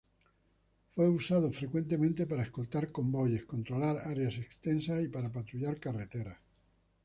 Fue usado frecuentemente para escoltar convoyes, controlar áreas extensas y para patrullar carreteras.